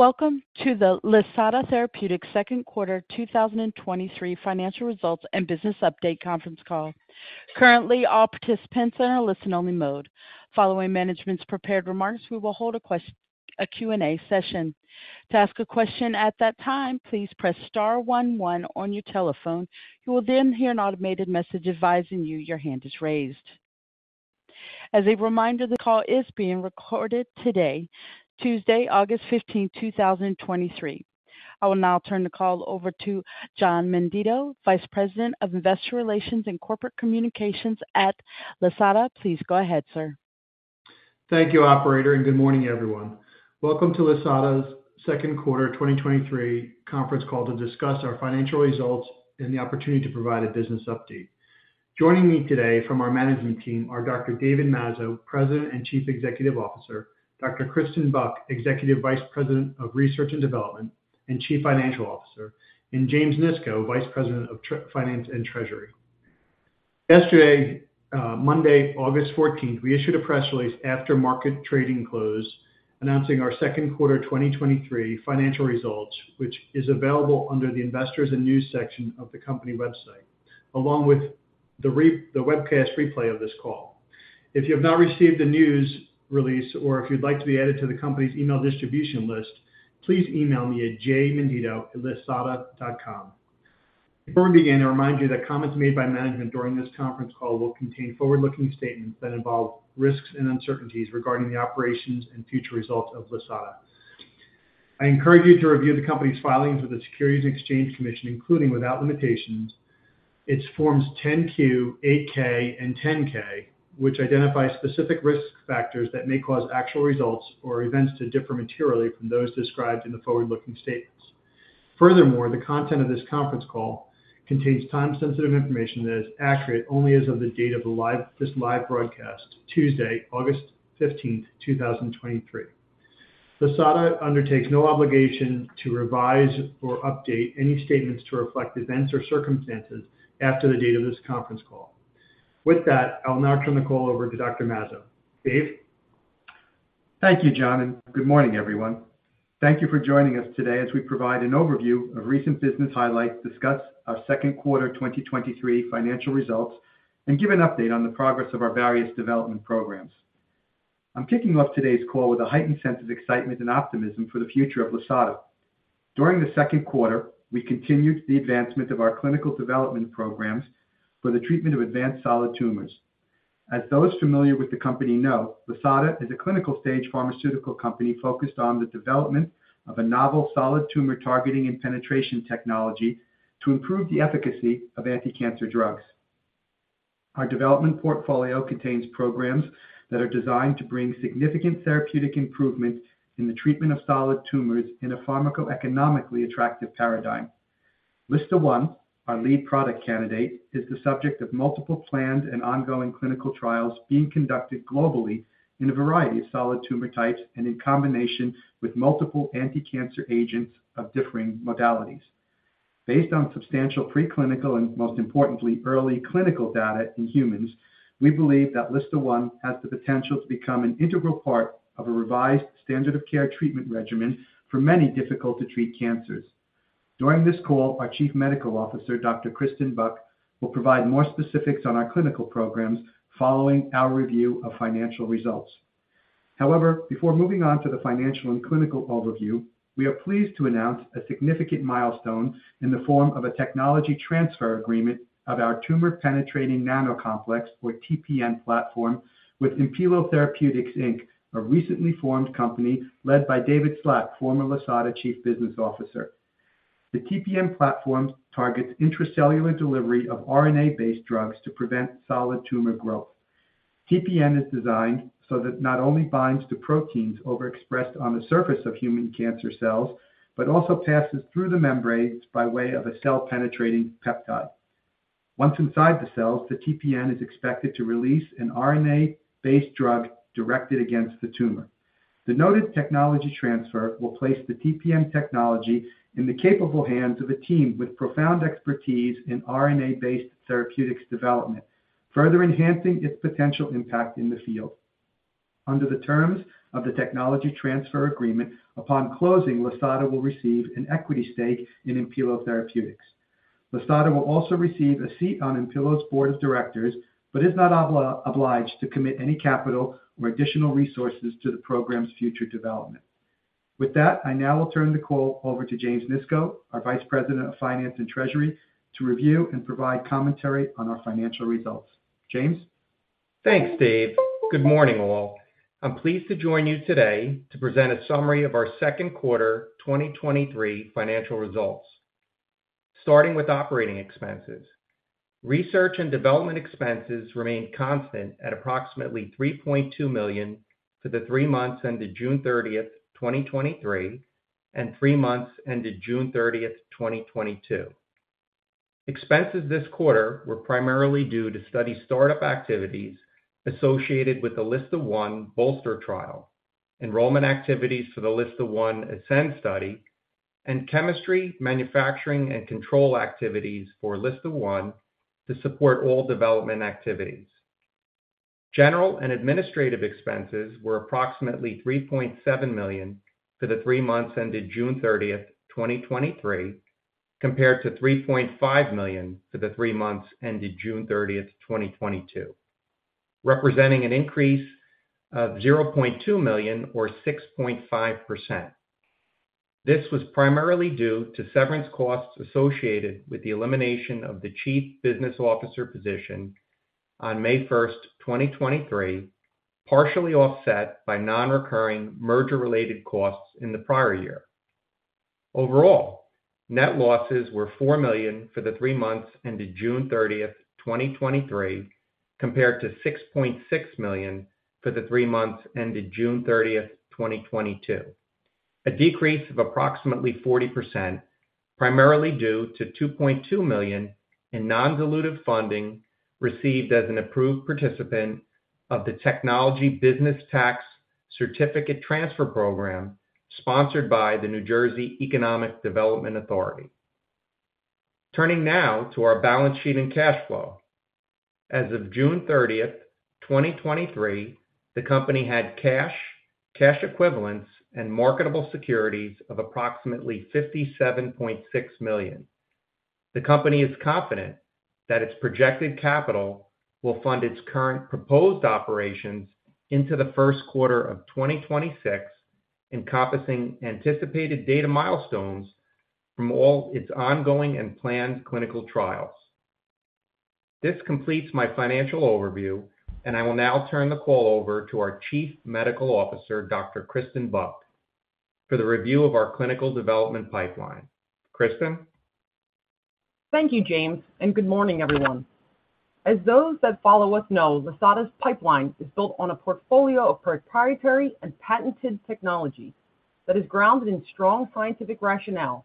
Welcome to the Lisata Therapeutics second quarter 2023 financial results and business update conference call. Currently, all participants are in a listen-only mode. Following management's prepared remarks, we will hold a Q&A session. To ask a question at that time, please press star one one on your telephone. You will then hear an automated message advising you your hand is raised. As a reminder, the call is being recorded today, Tuesday, August 15th, 2023. I will now turn the call over to John Menditto, Vice President of Investor Relations and Corporate Communications at Lisata. Please go ahead, sir. Thank you, operator. Good morning, everyone. Welcome to Lisata's second quarter 2023 conference call to discuss our financial results and the opportunity to provide a business update. Joining me today from our management team are Dr. David Mazzo, President and Chief Executive Officer, Dr. Kristen Buck, Executive Vice President of Research and Development and Chief Financial Officer, and James Nisco, Vice President of Finance and Treasury. Yesterday, Monday, August 14th, we issued a press release after market trading close, announcing our second quarter 2023 financial results, which is available under the Investors and News section of the company website, along with the webcast replay of this call. If you have not received the news release or if you'd like to be added to the company's email distribution list, please email me at jmenditto@lisata.com. Before we begin, I remind you that comments made by management during this conference call will contain forward-looking statements that involve risks and uncertainties regarding the operations and future results of Lisata. I encourage you to review the company's filings with the Securities and Exchange Commission, including without limitations, its Forms 10-Q, 8-K, and 10-K, which identify specific risk factors that may cause actual results or events to differ materially from those described in the forward-looking statements. The content of this conference call contains time-sensitive information that is accurate only as of the date of this live broadcast, Tuesday, August 15th, 2023. Lisata undertakes no obligation to revise or update any statements to reflect events or circumstances after the date of this conference call. With that, I'll now turn the call over to Dr. Mazzo. Dave? Thank you, John. Good morning, everyone. Thank you for joining us today as we provide an overview of recent business highlights, discuss our second quarter 2023 financial results, and give an update on the progress of our various development programs. I'm kicking off today's call with a heightened sense of excitement and optimism for the future of Lisata. During the second quarter, we continued the advancement of our clinical development programs for the treatment of advanced solid tumors. As those familiar with the company know, Lisata is a clinical-stage pharmaceutical company focused on the development of a novel solid tumor targeting and penetration technology to improve the efficacy of anticancer drugs. Our development portfolio contains programs that are designed to bring significant therapeutic improvement in the treatment of solid tumors in a pharmacoeconomically attractive paradigm. LSTA1, our lead product candidate, is the subject of multiple planned and ongoing clinical trials being conducted globally in a variety of solid tumor types and in combination with multiple anticancer agents of differing modalities. Based on substantial preclinical and, most importantly, early clinical data in humans, we believe that LSTA1 has the potential to become an integral part of a revised standard of care treatment regimen for many difficult-to-treat cancers. During this call, our Chief Medical Officer, Dr. Kristen Buck, will provide more specifics on our clinical programs following our review of financial results. However, before moving on to the financial and clinical overview, we are pleased to announce a significant milestone in the form of a technology transfer agreement of our Tumor-Penetrating Nanocomplex, or TPN platform, with Impilo Therapeutics, Inc., a recently formed company led by David Slack, former Lisata Chief Business Officer. The TPN platform targets intracellular delivery of RNA-based drugs to prevent solid tumor growth. TPN is designed so that it not only binds to proteins overexpressed on the surface of human cancer cells, but also passes through the membranes by way of a cell-penetrating peptide. Once inside the cells, the TPN is expected to release an RNA-based drug directed against the tumor. The noted technology transfer will place the TPN technology in the capable hands of a team with profound expertise in RNA-based therapeutics development, further enhancing its potential impact in the field. Under the terms of the technology transfer agreement, upon closing, Lisata will receive an equity stake in Impilo Therapeutics. Lisata will also receive a seat on Impilo's board of directors, but is not obliged to commit any capital or additional resources to the program's future development. With that, I now will turn the call over to James Nisco, our Vice President of Finance and Treasury, to review and provide commentary on our financial results. James? Thanks, Dave. Good morning, all. I'm pleased to join you today to present a summary of our second quarter 2023 financial results. Starting with operating expenses. Research and development expenses remained constant at approximately $3.2 million for the three months ended June 30th, 2023, and three months ended June 30th, 2022. Expenses this quarter were primarily due to study startup activities associated with the LSTA1 BOLSTER trial, enrollment activities for the LSTA1 ASCEND study, and Chemistry, Manufacturing, and Controls activities for LSTA1 to support all development activities. General and administrative expenses were approximately $3.7 million for the three months ended June 30th, 2023, compared to $3.5 million for the three months ended June 30th, 2022, representing an increase of $0.2 million or 6.5%. This was primarily due to severance costs associated with the elimination of the chief business officer position on May 1st, 2023, partially offset by non-recurring merger-related costs in the prior year. Overall, net losses were $4 million for the three months ended June 30th, 2023, compared to $6.6 million for the three months ended June 30, 2022. A decrease of approximately 40%, primarily due to $2.2 million in non-dilutive funding received as an approved participant of the Technology Business Tax Certificate Transfer Program, sponsored by the New Jersey Economic Development Authority. Turning now to our balance sheet and cash flow. As of June 30th, 2023, the company had cash, cash equivalents, and marketable securities of approximately $57.6 million. The company is confident that its projected capital will fund its current proposed operations into the first quarter of 2026, encompassing anticipated data milestones from all its ongoing and planned clinical trials. This completes my financial overview, and I will now turn the call over to our Chief Medical Officer, Dr. Kristen Buck, for the review of our clinical development pipeline. Kristen? Thank you, James, and good morning, everyone. As those that follow us know, Lisata's pipeline is built on a portfolio of proprietary and patented technology that is grounded in strong scientific rationale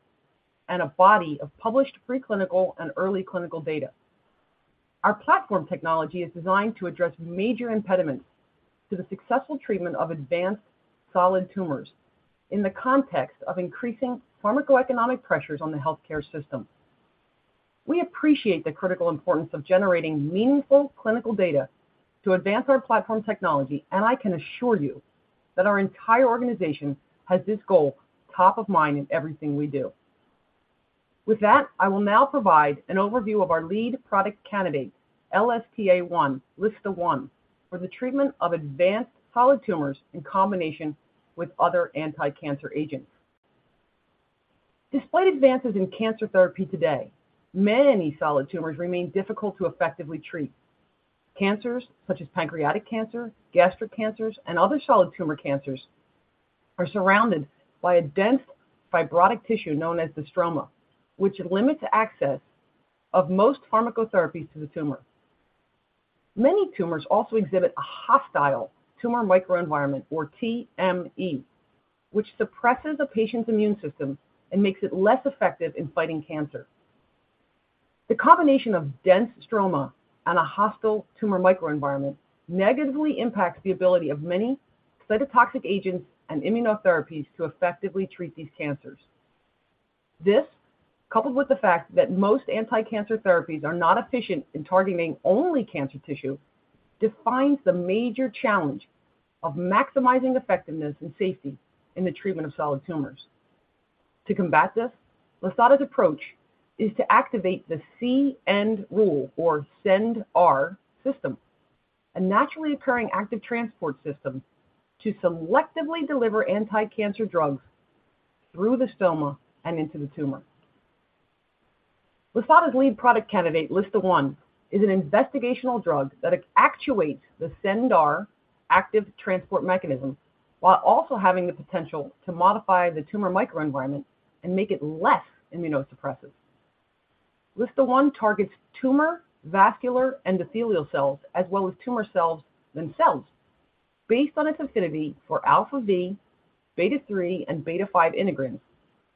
and a body of published preclinical and early clinical data. Our platform technology is designed to address major impediments to the successful treatment of advanced solid tumors in the context of increasing pharmacoeconomic pressures on the healthcare system. We appreciate the critical importance of generating meaningful clinical data to advance our platform technology, and I can assure you that our entire organization has this goal top of mind in everything we do. With that, I will now provide an overview of our lead product candidate, LSTA1, LSTA1, for the treatment of advanced solid tumors in combination with other anticancer agents. Despite advances in cancer therapy today, many solid tumors remain difficult to effectively treat. Cancers such as pancreatic cancer, gastric cancers, and other solid tumor cancers are surrounded by a dense fibrotic tissue known as the stroma, which limits access of most pharmacotherapies to the tumor. Many tumors also exhibit a hostile tumor microenvironment, or TME, which suppresses the patient's immune system and makes it less effective in fighting cancer. The combination of dense stroma and a hostile tumor microenvironment negatively impacts the ability of many cytotoxic agents and immunotherapies to effectively treat these cancers. This, coupled with the fact that most anticancer therapies are not efficient in targeting only cancer tissue, defines the major challenge of maximizing effectiveness and safety in the treatment of solid tumors. To combat this, Lisata's approach is to activate the C-end Rule or CendR system, a naturally occurring active transport system, to selectively deliver anticancer drugs through the stroma and into the tumor. Lisata's lead product candidate, LSTA1, is an investigational drug that actuates the CendR active transport mechanism while also having the potential to modify the tumor microenvironment and make it less immunosuppressive. LSTA1 targets tumor, vascular, endothelial cells, as well as tumor cells themselves, based on its affinity for αv, β3, and β5 integrins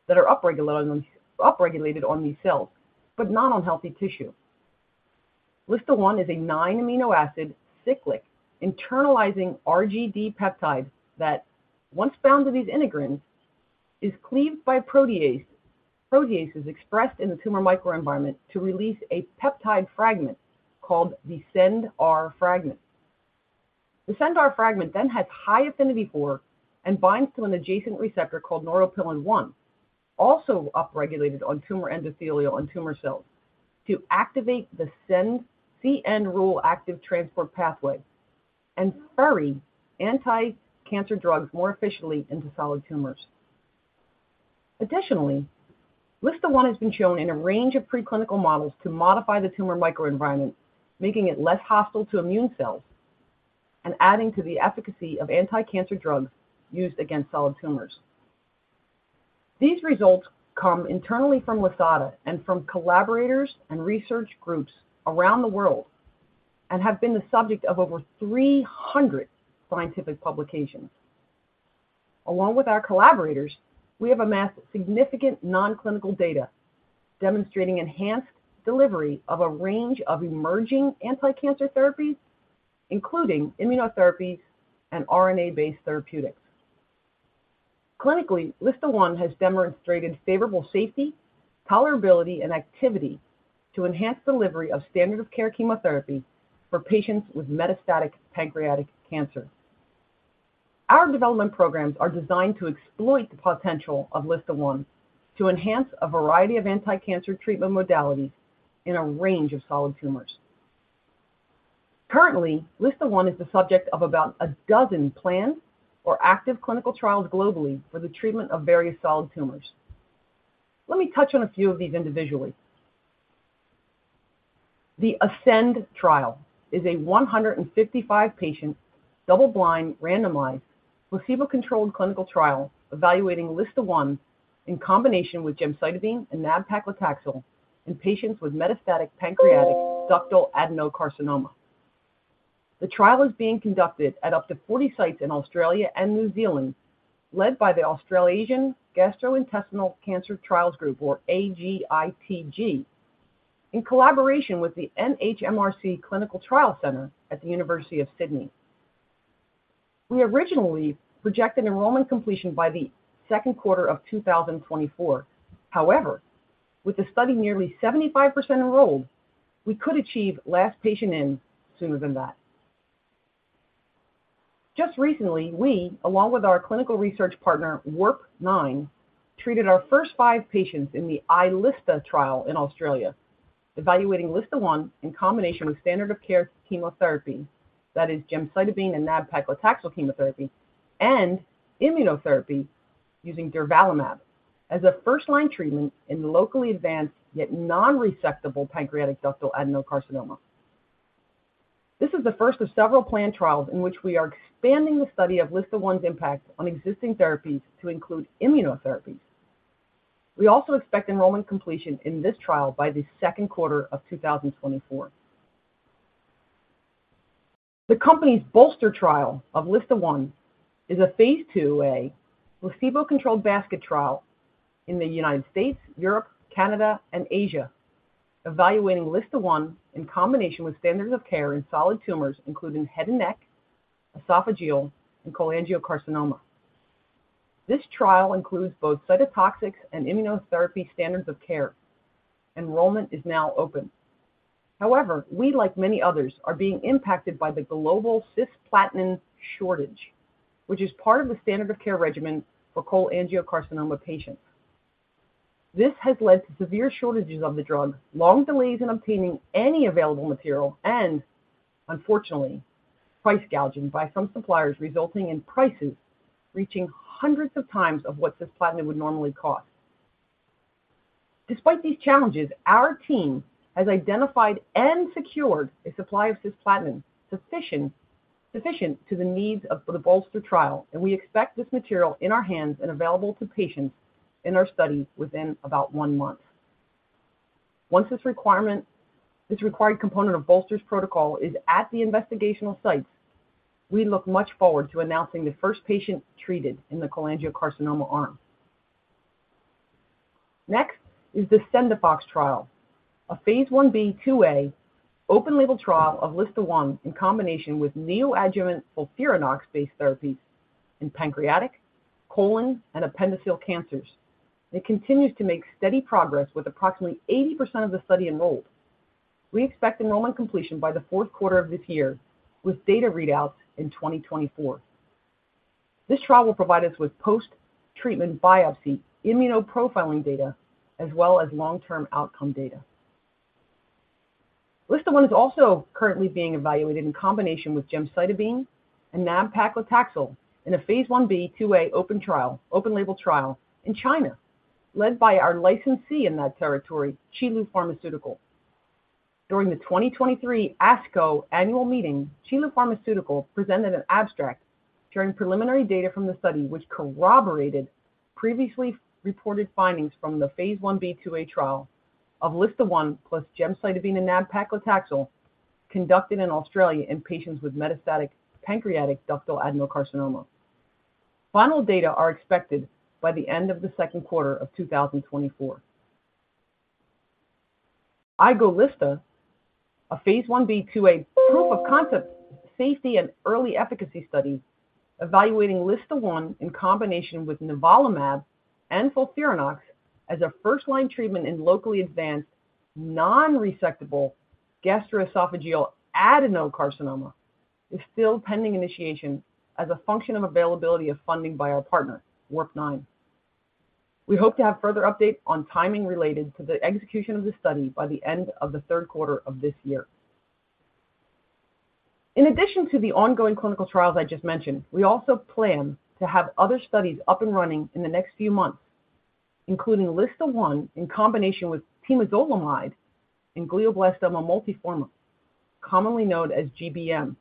that are upregulated on, upregulated on these cells, but not on healthy tissue. LSTA1 is a nine amino acid, cyclic, internalizing iRGD peptide that, once bound to these integrins, is cleaved by protease. Proteases expressed in the tumor microenvironment to release a peptide fragment called the CendR fragment. The CendR fragment then has high affinity for and binds to an adjacent receptor called Neuropilin-1, also upregulated on tumor endothelial and tumor cells, to activate the C-end Rule active transport pathway and carry anticancer drugs more efficiently into solid tumors. Additionally, LSTA1 has been shown in a range of preclinical models to modify the tumor microenvironment, making it less hostile to immune cells and adding to the efficacy of anticancer drugs used against solid tumors. These results come internally from Lisata and from collaborators and research groups around the world, and have been the subject of over 300 scientific publications. Along with our collaborators, we have amassed significant non-clinical data demonstrating enhanced delivery of a range of emerging anticancer therapies, including immunotherapies and RNA-based therapeutics. Clinically, LSTA1 has demonstrated favorable safety, tolerability, and activity to enhance delivery of standard of care chemotherapy for patients with metastatic pancreatic cancer. Our development programs are designed to exploit the potential of LSTA1 to enhance a variety of anticancer treatment modalities in a range of solid tumors. Currently, LSTA1 is the subject of about a dozen planned or active clinical trials globally for the treatment of various solid tumors. Let me touch on a few of these individually. The ASCEND trial is a 155 patient, double-blind, randomized, placebo-controlled clinical trial evaluating LSTA1 in combination with gemcitabine and nab-paclitaxel in patients with metastatic pancreatic ductal adenocarcinoma. The trial is being conducted at up to 40 sites in Australia and New Zealand, led by the Australasian Gastro-Intestinal Trials Group, or AGITG, in collaboration with the NHMRC Clinical Trials Centre at the University of Sydney. We originally projected enrollment completion by the second quarter of 2024. However, with the study nearly 75% enrolled, we could achieve last patient in sooner than that. Just recently, we, along with our clinical research partner, WARPNINE, treated our first five patients in the iLSTA trial in Australia, evaluating LSTA1 in combination with standard of care chemotherapy. That is gemcitabine and nab-paclitaxel chemotherapy and immunotherapy using durvalumab as a first-line treatment in locally advanced yet non-resectable pancreatic ductal adenocarcinoma. This is the first of several planned trials in which we are expanding the study of LSTA1's impact on existing therapies to include immunotherapies. We also expect enrollment completion in this trial by the second quarter of 2024. The company's BOLSTER trial of LSTA1 is a phase 2a placebo-controlled basket trial in the United States, Europe, Canada, and Asia, evaluating LSTA1 in combination with standards of care in solid tumors, including head and neck, esophageal, and cholangiocarcinoma. This trial includes both cytotoxic and immunotherapy standards of care. Enrollment is now open. However, we, like many others, are being impacted by the global cisplatin shortage, which is part of the standard of care regimen for cholangiocarcinoma patients. This has led to severe shortages of the drug, long delays in obtaining any available material, and unfortunately, price gouging by some suppliers, resulting in prices reaching hundreds of times of what cisplatin would normally cost. Despite these challenges, our team has identified and secured a supply of cisplatin sufficient, sufficient to the needs of the BOLSTER trial, and we expect this material in our hands and available to patients in our study within about one month. Once this requirement, this required component of BOLSTER's protocol is at the investigational sites, we look much forward to announcing the first patient treated in the cholangiocarcinoma arm. Next is the CENDIFOX trial, a phase 1b/2a open-label trial of LSTA1 in combination with neoadjuvant FOLFIRINOX-based therapies in pancreatic, colon, and appendiceal cancers. It continues to make steady progress with approximately 80% of the study enrolled. We expect enrollment completion by the 4th quarter of this year, with data readouts in 2024. This trial will provide us with post-treatment biopsy immunoprofiling data as well as long-term outcome data. LSTA1 is also currently being evaluated in combination with gemcitabine and nab-paclitaxel in a phase 1b/2a open label trial in China, led by our licensee in that territory, Qilu Pharmaceutical. During the 2023 ASCO annual meeting, Qilu Pharmaceutical presented an abstract showing preliminary data from the study, which corroborated previously reported findings from the phase 1b/2a trial of LSTA1 plus gemcitabine and nab-paclitaxel, conducted in Australia in patients with metastatic pancreatic ductal adenocarcinoma. Final data are expected by the end of the second quarter of 2024. iLSTA, a phase 1b/2a proof-of-concept, safety, and early efficacy study evaluating LSTA1 in combination with nivolumab and FOLFIRINOX as a first-line treatment in locally advanced, non-resectable gastroesophageal adenocarcinoma, is still pending initiation as a function of availability of funding by our partner, WARPNINE. We hope to have further update on timing related to the execution of the study by the end of the third quarter of this year. In addition to the ongoing clinical trials I just mentioned, we also plan to have other studies up and running in the next few months, including LSTA1 in combination with temozolomide and glioblastoma multiforme, commonly known as GBM.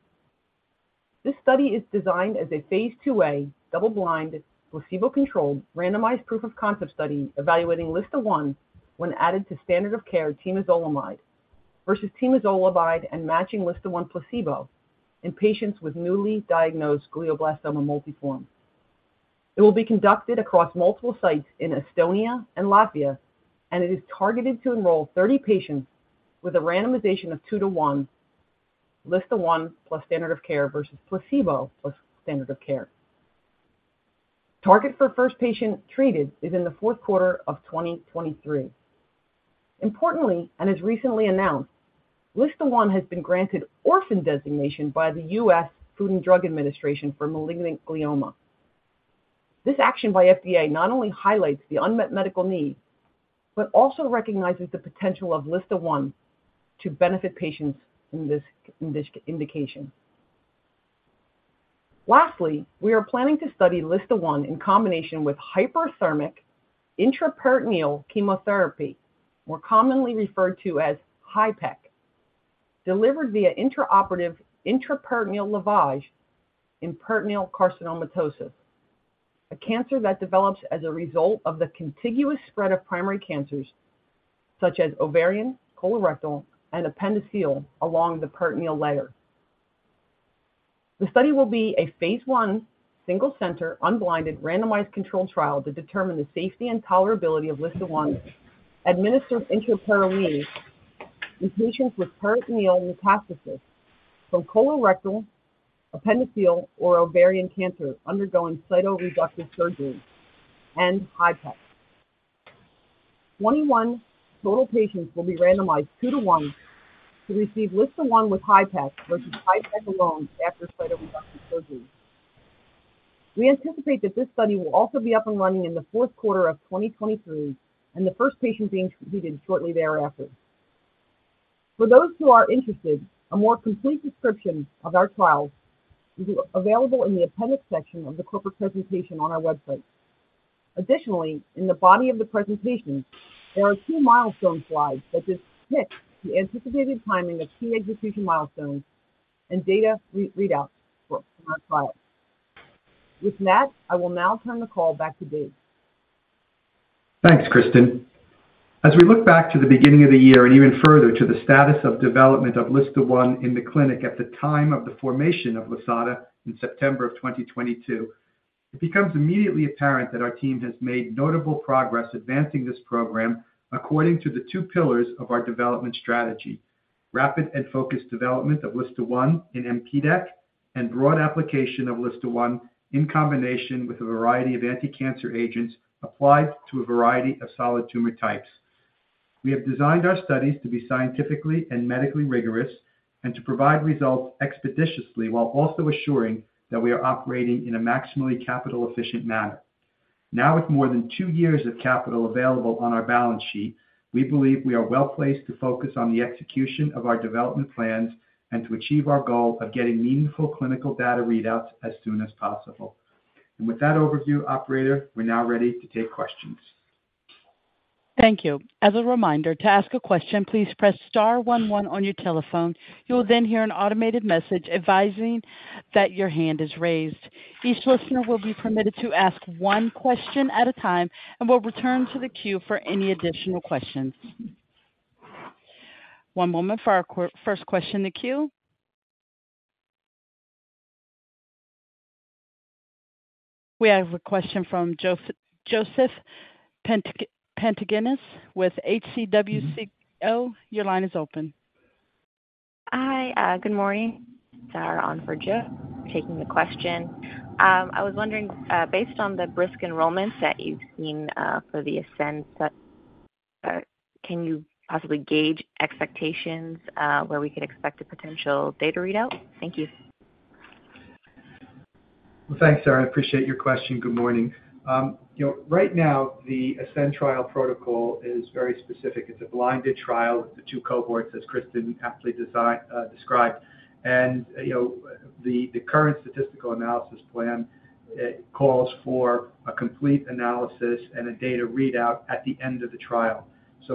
This study is designed as a phase 2a, double-blind, placebo-controlled, randomized proof of concept study evaluating LSTA1 when added to standard of care temozolomide, versus temozolomide and matching LSTA1 placebo in patients with newly diagnosed glioblastoma multiforme. It will be conducted across multiple sites in Estonia and Latvia. It is targeted to enroll 30 patients with a randomization of 2:1 LSTA1 plus standard of care versus placebo plus standard of care. Target for first patient treated is in the fourth quarter of 2023. Importantly, as recently announced, LSTA1 has been granted Orphan Designation by the U.S. Food and Drug Administration for malignant glioma. This action by FDA not only highlights the unmet medical need, but also recognizes the potential of LSTA1 to benefit patients in this, in this indication. Lastly, we are planning to study LSTA1 in combination with hyperthermic intraperitoneal chemotherapy, more commonly referred to as HIPEC, delivered via intraoperative intraperitoneal lavage in peritoneal carcinomatosis, a cancer that develops as a result of the contiguous spread of primary cancers such as ovarian, colorectal, and appendiceal, along the peritoneal layer. The study will be a phase 1, single center, unblinded, randomized controlled trial to determine the safety and tolerability of LSTA1, administered intraperitoneally in patients with peritoneal metastasis from colorectal, appendiceal, or ovarian cancer, undergoing cytoreductive surgery and HIPEC. 21 total patients will be randomized 2:1 to receive LSTA1 with HIPEC versus HIPEC alone after cytoreductive surgery. We anticipate that this study will also be up and running in the fourth quarter of 2023, and the first patient being treated shortly thereafter. For those who are interested, a more complete description of our trials will be available in the appendix section of the corporate presentation on our website. Additionally, in the body of the presentation, there are two milestone slides that depict the anticipated timing of key execution milestones and data re-readout for our trial. With that, I will now turn the call back to Dave. Thanks, Kristen. As we look back to the beginning of the year, even further to the status of development of LSTA1 in the clinic at the time of the formation of Lisata in September of 2022, it becomes immediately apparent that our team has made notable progress advancing this program according to the two pillars of our development strategy: rapid and focused development of LSTA1 in mPDAC, and broad application of LSTA1 in combination with a variety of anticancer agents applied to a variety of solid tumor types. We have designed our studies to be scientifically and medically rigorous and to provide results expeditiously, while also assuring that we are operating in a maximally capital-efficient manner. Now, with more than two years of capital available on our balance sheet, we believe we are well-placed to focus on the execution of our development plans and to achieve our goal of getting meaningful clinical data readouts as soon as possible. With that overview, operator, we're now ready to take questions. Thank you. As a reminder, to ask a question, please press star one one on your telephone. You will then hear an automated message advising that your hand is raised. Each listener will be permitted to ask 1 question at a time and will return to the queue for any additional questions. 1 moment for our first question in the queue. We have a question from Joseph Pantginis with HCWCO. Your line is open. Hi, good morning. Sara on for Joe taking the question. I was wondering, based on the brisk enrollment that you've seen, for the ASCEND, can you possibly gauge expectations, where we could expect a potential data readout? Thank you. Well, thanks, Sara. I appreciate your question. Good morning. You know, right now, the ASCEND trial protocol is very specific. It's a blinded trial with the two cohorts, as Kristen aptly described. You know, the current statistical analysis plan, it calls for a complete analysis and a data readout at the end of the trial.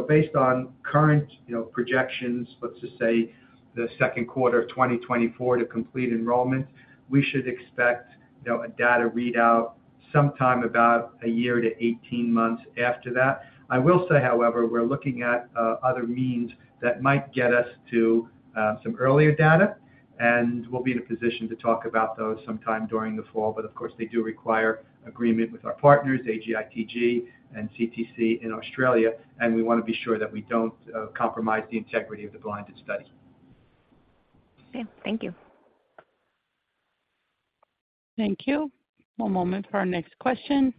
Based on current, you know, projections, let's just say the second quarter of 2024 to complete enrollment, we should expect, you know, a data readout sometime about one year to 18 months after that. I will say, however, we're looking at other means that might get us to some earlier data, and we'll be in a position to talk about those sometime during the fall. Of course, they do require agreement with our partners, AGITG and CTC in Australia, and we want to be sure that we don't compromise the integrity of the blinded study. Okay, thank you. Thank you. One moment for our next question.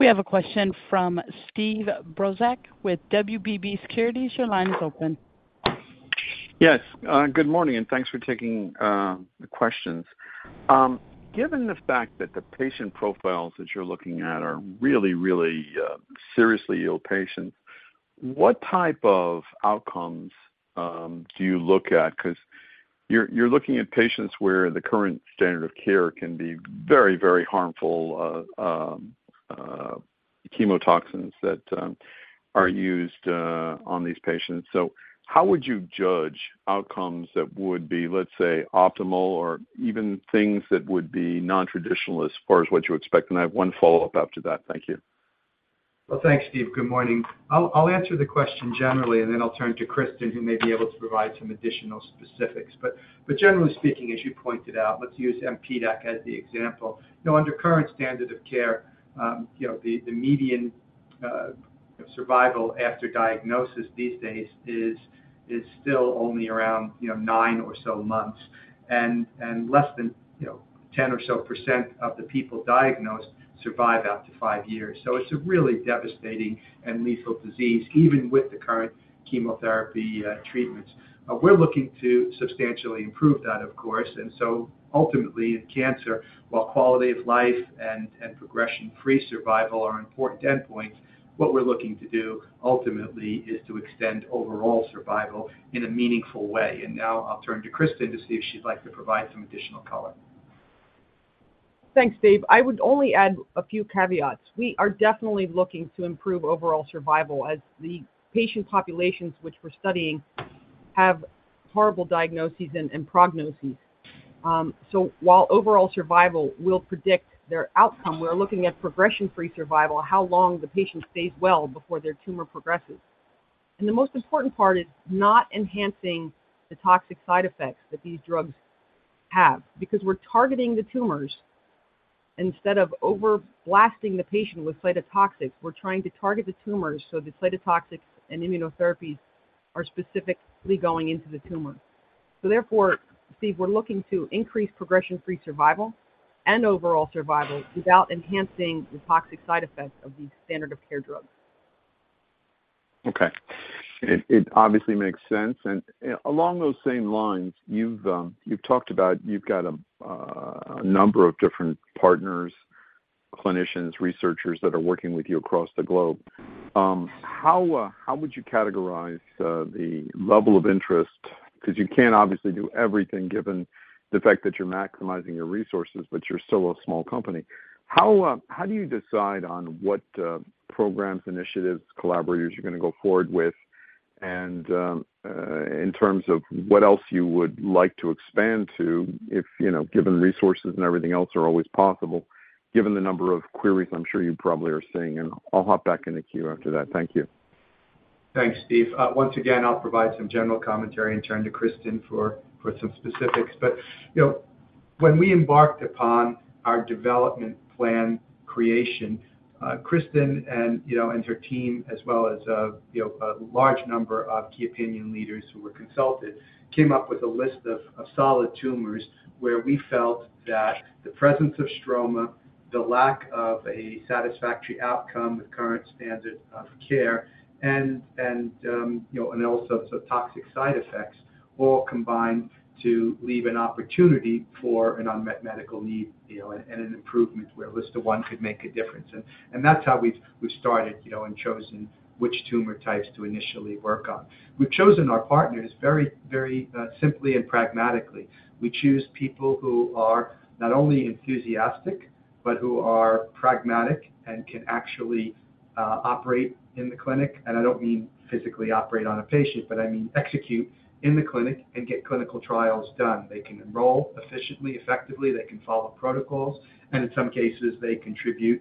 We have a question from Steve Brozak with WBB Securities. Your line is open. Yes, good morning, thanks for taking the questions. Given the fact that the patient profiles that you're looking at are really, really, seriously ill patients, what type of outcomes do you look at? 'Cause you're, you're looking at patients where the current standard of care can be very, very harmful, chemotoxins that are used on these patients. How would you judge outcomes that would be, let's say, optimal or even things that would be nontraditional as far as what you expect? I have one follow-up after that. Thank you. Well, thanks, Steve. Good morning. I'll, I'll answer the question generally, and then I'll turn to Kristen, who may be able to provide some additional specifics. Generally speaking, as you pointed out, let's use mPDAC as the example. You know, under current standard of care, you know, the, the median survival after diagnosis these days is, is still only around, you know, nine or so months, and, and less than, you know, 10% or so of the people diagnosed survive out to five years. It's a really devastating and lethal disease, even with the current chemotherapy treatments. We're looking to substantially improve that, of course, ultimately in cancer, while quality of life and, and progression-free survival are important endpoints, what we're looking to do ultimately is to extend overall survival in a meaningful way. Now I'll turn to Kristen to see if she'd like to provide some additional color. Thanks, Dave. I would only add a few caveats. We are definitely looking to improve overall survival as the patient populations, which we're studying, have horrible diagnoses and prognoses. While overall survival will predict their outcome, we're looking at progression-free survival, how long the patient stays well before their tumor progresses. The most important part is not enhancing the toxic side effects that these drugs have, because we're targeting the tumors. Instead of over-blasting the patient with cytotoxics, we're trying to target the tumors so the cytotoxics and immunotherapies are specifically going into the tumor. Therefore, Steve, we're looking to increase progression-free survival and overall survival without enhancing the toxic side effects of these standard of care drugs. Okay. It, it obviously makes sense. Along those same lines, you've, you've talked about, you've got a, a number of different partners, clinicians, researchers that are working with you across the globe. How, how would you categorize the level of interest? Cause you can't obviously do everything, given the fact that you're maximizing your resources, but you're still a small company. How, how do you decide on what programs, initiatives, collaborators you're gonna go forward with? In terms of what else you would like to expand to, if, you know, given resources and everything else are always possible, given the number of queries I'm sure you probably are seeing. I'll hop back in the queue after that. Thank you. Thanks, Steve. once again, I'll provide some general commentary and turn to Kristen for, for some specifics. you know, when we embarked upon our development plan creation, Kristen and, you know, and her team, as well as, you know, a large number of key opinion leaders who were consulted, came up with a list of, of solid tumors where we felt that the presence of stroma, the lack of a satisfactory outcome, the current standard of care and, and, you know, and also the toxic side effects, all combined to leave an opportunity for an unmet medical need, you know, and an improvement where LSTA1 could make a difference. that's how we've, we've started, you know, and chosen which tumor types to initially work on. We've chosen our partners very, very, simply and pragmatically. We choose people who are not only enthusiastic but who are pragmatic and can actually operate in the clinic. I don't mean physically operate on a patient, but I mean execute in the clinic and get clinical trials done. They can enroll efficiently, effectively, they can follow protocols, and in some cases, they contribute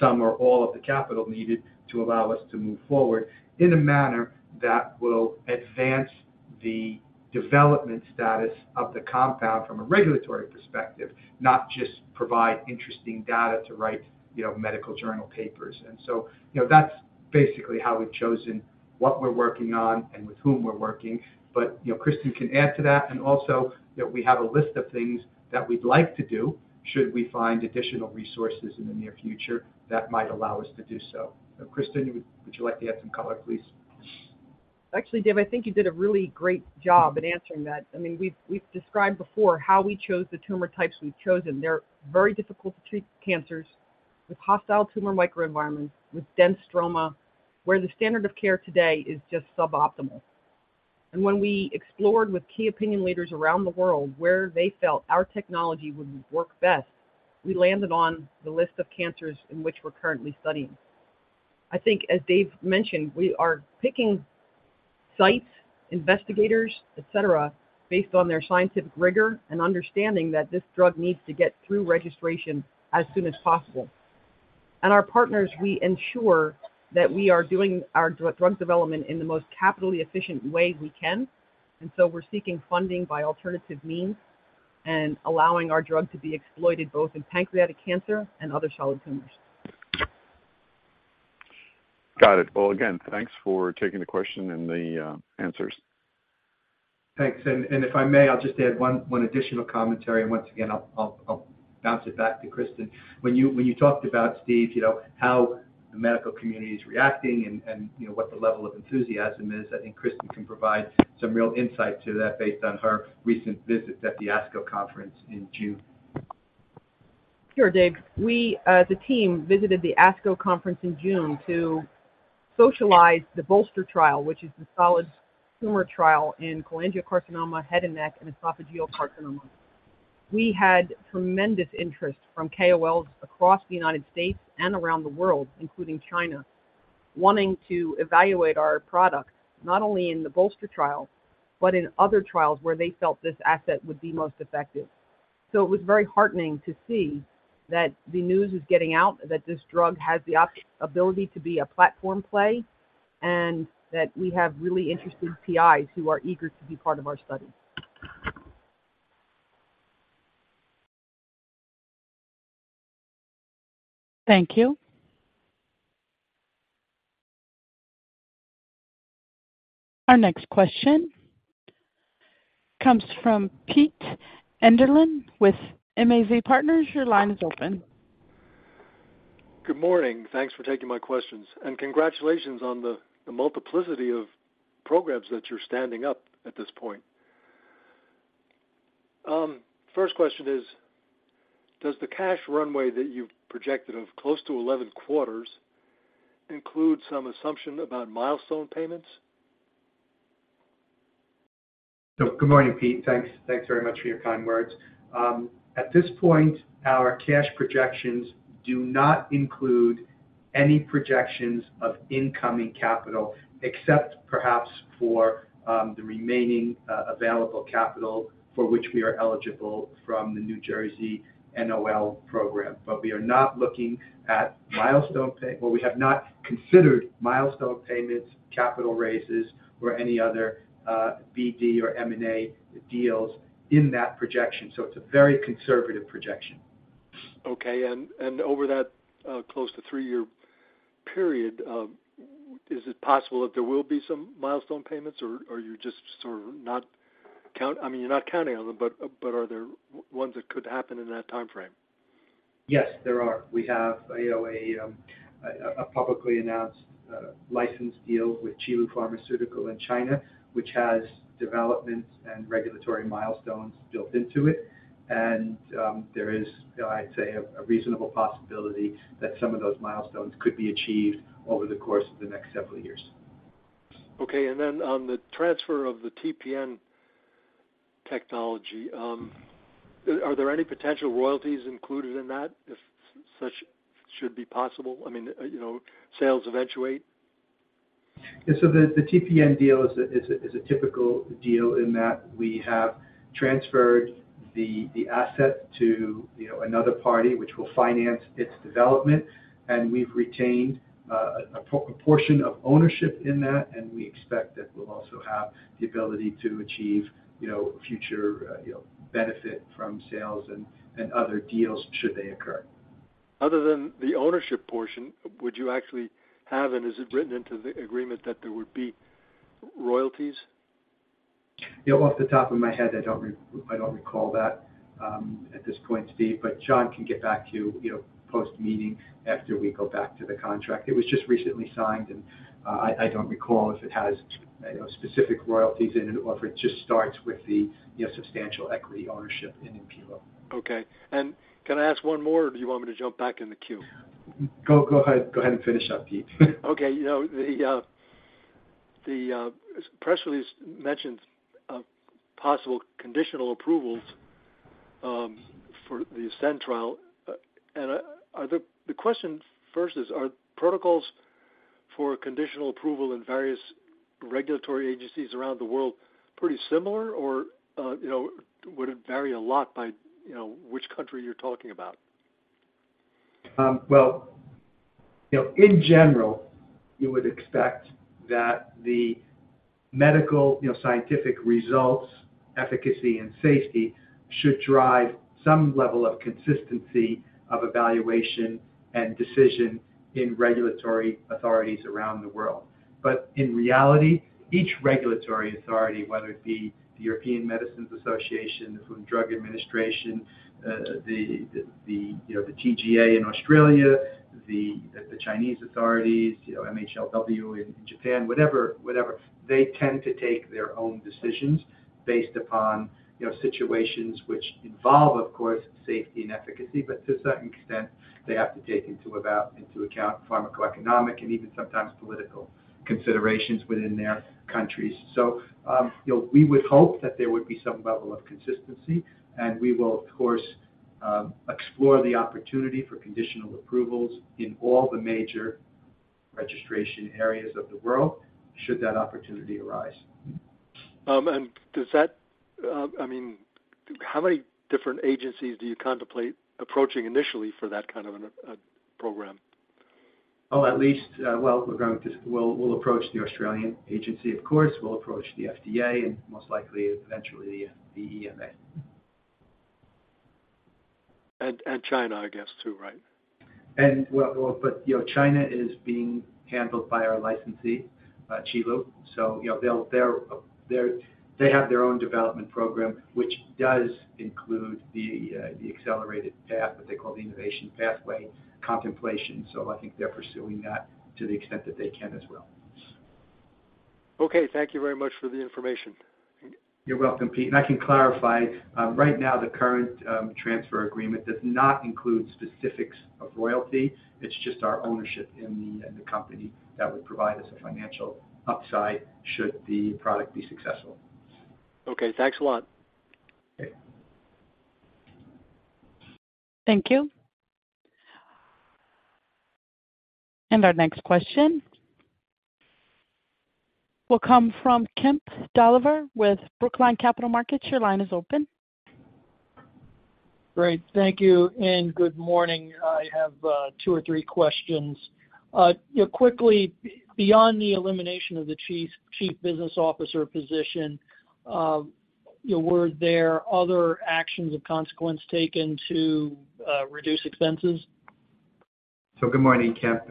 some or all of the capital needed to allow us to move forward in a manner that will advance the development status of the compound from a regulatory perspective, not just provide interesting data to write, you know, medical journal papers. So, you know, that's basically how we've chosen what we're working on and with whom we're working. You know, Kristen can add to that. Also, you know, we have a list of things that we'd like to do, should we find additional resources in the near future that might allow us to do so. Kristen, would you like to add some color, please? Actually, Dave, I think you did a really great job in answering that. I mean, we've described before how we chose the tumor types we've chosen. They're very difficult to treat cancers with hostile tumor microenvironments, with dense stroma, where the standard of care today is just suboptimal. When we explored with key opinion leaders around the world where they felt our technology would work best, we landed on the list of cancers in which we're currently studying. I think, as Dave mentioned, we are picking sites, investigators, et cetera, based on their scientific rigor and understanding that this drug needs to get through registration as soon as possible. Our partners, we ensure that we are doing our drug development in the most capitally efficient way we can, and so we're seeking funding by alternative means and allowing our drug to be exploited both in pancreatic cancer and other solid tumors. Got it. Again, thanks for taking the question and the answers. Thanks. If I may, I'll just add one, one additional commentary, and once again, I'll, I'll, I'll bounce it back to Kristen. When you, when you talked about Steve, you know, how the medical community is reacting and, and, you know, what the level of enthusiasm is, I think Kristen can provide some real insight to that based on her recent visits at the ASCO conference in June. Sure, Dave. We, the team, visited the ASCO conference in June to socialize the BOLSTER trial, which is the solid tumor trial in cholangiocarcinoma, head and neck, and esophageal carcinoma. We had tremendous interest from KOLs across the United States and around the world, including China, wanting to evaluate our product, not only in the BOLSTER trial, but in other trials where they felt this asset would be most effective. It was very heartening to see that the news is getting out, that this drug has the opt- ability to be a platform play, and that we have really interested PIs who are eager to be part of our study. Thank you. Our next question comes from Pete Enderlin with MAZ Partners. Your line is open. Good morning. Thanks for taking my questions, and congratulations on the multiplicity of programs that you're standing up at this point. First question is, does the cash runway that you've projected of close to 11 quarters include some assumption about milestone payments? Good morning, Pete. Thanks. Thanks very much for your kind words. At this point, our cash projections do not include any projections of incoming capital, except perhaps for the remaining available capital for which we are eligible from the New Jersey NOL Program. We are not looking at milestone payments, capital raises, or any other BD or M&A deals in that projection, so it's a very conservative projection. Okay. Over that, close to three-year period, is it possible that there will be some milestone payments, or, or are you just sort of not count... I mean, you're not counting on them, but, but are there ones that could happen in that time frame? Yes, there are. We have, you know, a publicly announced, license deal with Qilu Pharmaceutical in China, which has development and regulatory milestones built into it. There is, I'd say, a reasonable possibility that some of those milestones could be achieved over the course of the next several years. Okay. Then on the transfer of the TPN technology, are there any potential royalties included in that, if such should be possible? I mean, you know, sales eventuate. Yeah, the TPN deal is a, is a, is a typical deal in that we have transferred the, the asset to, you know, another party, which will finance its development, and we've retained a portion of ownership in that, and we expect that we'll also have the ability to achieve, you know, future, you know, benefit from sales and, and other deals should they occur. Other than the ownership portion, would you actually have, and is it written into the agreement that there would be royalties? Off the top of my head, I don't I don't recall that at this point, Pete, but John can get back to you, you know, post-meeting after we go back to the contract. It was just recently signed, and I, I don't recall if it has, you know, specific royalties in it, or if it just starts with the, you know, substantial equity ownership in Impilo. Okay. Can I ask one more, or do you want me to jump back in the queue? Go, go ahead, go ahead and finish up, Pete. Okay. You know, the press release mentioned possible conditional approvals for the ASCEND trial. The question first is, are protocols for conditional approval in various regulatory agencies around the world pretty similar, or, you know, would it vary a lot by, you know, which country you're talking about? Well, you know, in general, you would expect that the medical, you know, scientific results, efficacy and safety, should drive some level of consistency of evaluation and decision in regulatory authorities around the world. In reality, each regulatory authority, whether it be the European Medicines Agency, the Food and Drug Administration, the, the, you know, the TGA in Australia, the, the Chinese authorities, you know, MHLW in Japan, whatever, whatever, they tend to take their own decisions based upon, you know, situations which involve, of course, safety and efficacy. To a certain extent, they have to take into account pharmacoeconomic and even sometimes political considerations within their countries. You know, we would hope that there would be some level of consistency, and we will, of course, explore the opportunity for conditional approvals in all the major registration areas of the world, should that opportunity arise. Does that, I mean, how many different agencies do you contemplate approaching initially for that kind of an, a program? Oh, at least, well, we're going to. We'll, we'll approach the Australian agency, of course. We'll approach the FDA and most likely, eventually, the, the EMA. China, I guess, too, right? Well, well, but, you know, China is being handled by our licensee, Qilu. You know, they'll, they're, they're, they have their own development program, which does include the, the accelerated path, what they call the innovation pathway, contemplation. I think they're pursuing that to the extent that they can as well. Okay. Thank you very much for the information. You're welcome, Pete. I can clarify, right now, the current transfer agreement does not include specifics of royalty. It's just our ownership in the, in the company that would provide us a financial upside, should the product be successful. Okay. Thanks a lot. Okay. Thank you. Our next question will come from Kemp Dolliver with Brookline Capital Markets. Your line is open. Great. Thank you, and good morning. I have two or three questions. You know, quickly, beyond the elimination of the chief business officer position, you know, were there other actions of consequence taken to reduce expenses? Good morning, Kemp.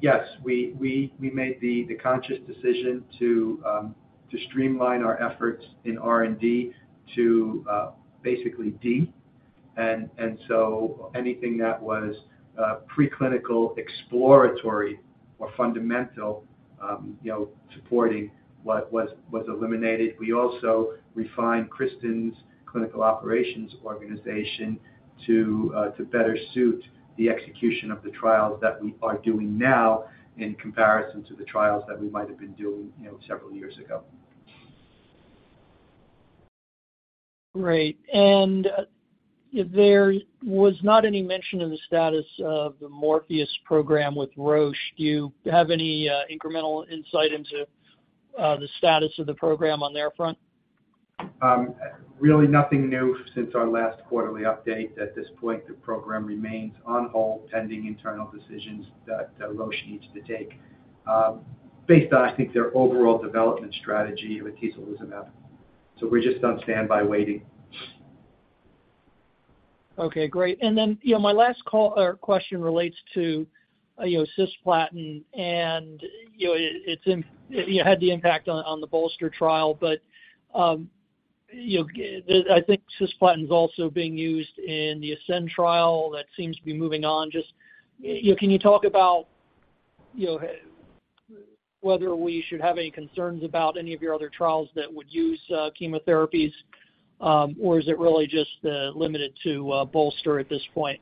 Yes, we, we, we made the, the conscious decision to streamline our efforts in R&D to basically D. Anything that was preclinical, exploratory, or fundamental, you know, supporting what was, was eliminated. We also refined Kristen's clinical operations organization to better suit the execution of the trials that we are doing now in comparison to the trials that we might have been doing, you know, several years ago. Great. There was not any mention of the status of the Morpheus program with Roche. Do you have any incremental insight into the status of the program on their front? Really nothing new since our last quarterly update. At this point, the program remains on hold, pending internal decisions that Roche needs to take, based on, I think, their overall development strategy with atezolizumab. We're just on standby, waiting. Okay, great. You know, my last call or question relates to, you know, cisplatin, and, you know, it had the impact on the BOLSTER trial. You know, I think cisplatin is also being used in the ASCEND trial. That seems to be moving on. You know, can you talk about, you know, whether we should have any concerns about any of your other trials that would use, chemotherapies, or is it really just, limited to, BOLSTER at this point?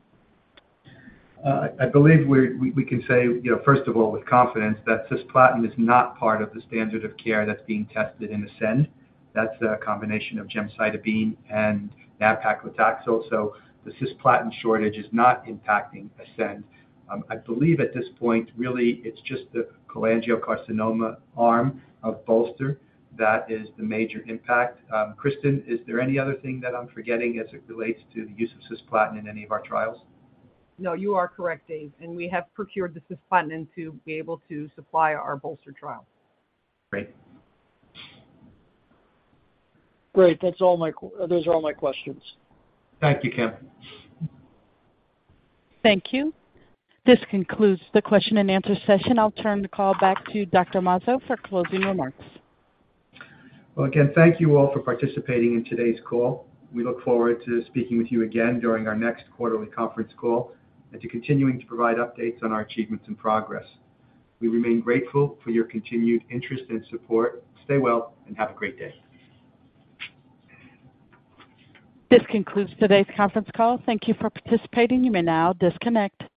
I believe we're, we, we can say, you know, first of all, with confidence, that cisplatin is not part of the standard of care that's being tested in ASCEND. That's a combination of gemcitabine and nab-paclitaxel, so the cisplatin shortage is not impacting ASCEND. I believe at this point, really, it's just the cholangiocarcinoma arm of BOLSTER that is the major impact. Kristen, is there any other thing that I'm forgetting as it relates to the use of cisplatin in any of our trials? No, you are correct, Dave, and we have procured the cisplatin and to be able to supply our BOLSTER trial. Great. Great. Those are all my questions. Thank you, Kemp. Thank you. This concludes the question and answer session. I'll turn the call back to Dr. Mazzo for closing remarks. Well, again, thank you all for participating in today's call. We look forward to speaking with you again during our next quarterly conference call and to continuing to provide updates on our achievements and progress. We remain grateful for your continued interest and support. Stay well and have a great day. This concludes today's conference call. Thank you for participating. You may now disconnect.